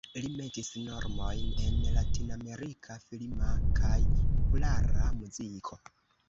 Li metis normojn en latinamerika filma kaj populara muziko.